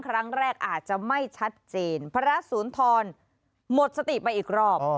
ครั้งแรกอาจจะไม่ชัดเจนพระสุนทรหมดสติไปอีกรอบ